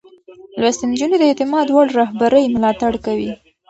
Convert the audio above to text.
لوستې نجونې د اعتماد وړ رهبرۍ ملاتړ کوي.